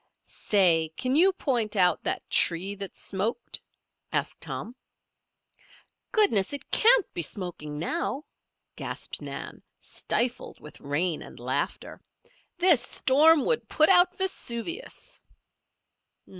"Say! Can you point out that tree that smoked?" asked Tom. "Goodness! It can't be smoking now," gasped Nan, stifled with rain and laughter. "This storm would put out Vesuvius."